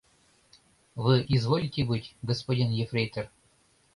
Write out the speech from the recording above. — Вы изволите быть господин ефрейтор.